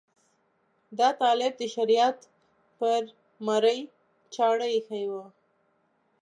دا طالب د شریعت پر مرۍ چاړه ایښې وه.